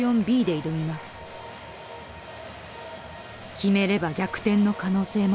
決めれば逆転の可能性も。